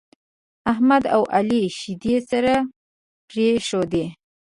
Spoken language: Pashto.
احمد او عالي شيدې سره پرېښودې.